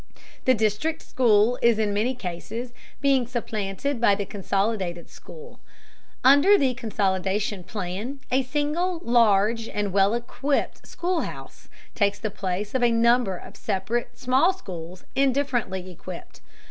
The district school is in many cases being supplanted by the consolidated school. Under the consolidation plan, a single large and well equipped school house takes the place of a number of separate, small schools, indifferently equipped.